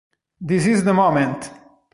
This Is the Moment!